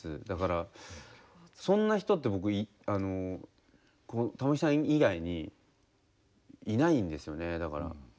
だからそんな人って僕玉置さん以外にいないんですよね。